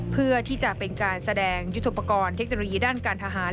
เพื่อที่จะเป็นการแสดงยุทธุปกรณ์เทคโนโลยีด้านการทหาร